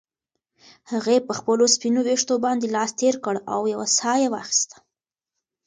هغې په خپلو سپینو ویښتو باندې لاس تېر کړ او یوه ساه یې واخیسته.